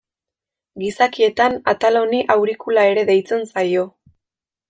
Gizakietan atal honi aurikula ere deitzen zaio.